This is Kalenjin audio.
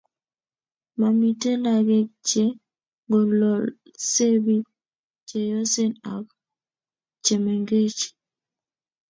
Mamiten ngalek chengololse biik cheyosen ak chemengech